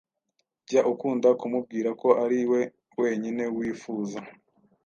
Jya ukunda kumubwira ko ari we wenyine wifuza